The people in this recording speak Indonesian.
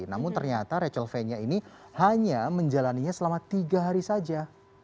namun ternyata rachel fainya ini hanya menjalannya selama tiga hari saja